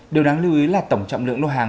điều đáng lưu ý là tổng trọng lượng lô hàng